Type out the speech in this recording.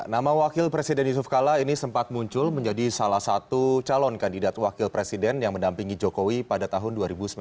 nama wakil presiden yusuf kala ini sempat muncul menjadi salah satu calon kandidat wakil presiden yang mendampingi jokowi pada tahun dua ribu sembilan belas